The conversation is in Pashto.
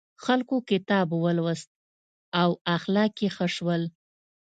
خلکو کتاب ولوست او اخلاق یې ښه شول.